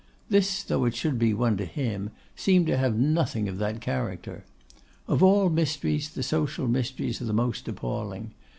This, though it should be one to him, seemed to have nothing of that character. Of all mysteries the social mysteries are the most appalling.